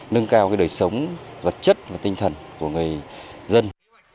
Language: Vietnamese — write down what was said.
nâng cao đời sống vật chất và tinh thần của người dân